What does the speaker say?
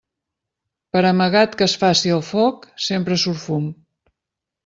Per amagat que es faci el foc, sempre surt fum.